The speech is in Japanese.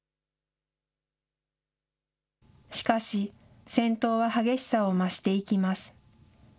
しかし、戦闘は激しさを増していきます。